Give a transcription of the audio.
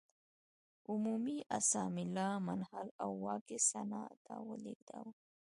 عمومي اسامبله منحل او واک یې سنا ته ولېږداوه.